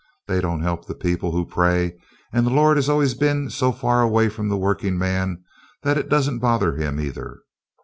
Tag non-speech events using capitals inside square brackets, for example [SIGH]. They don't help the people who pray, and the Lord has always been so far away from the workingman that it doesn't bother Him either. [LAUGHS]